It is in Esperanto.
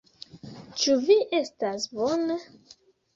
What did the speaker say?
Ĉu vi estas bone?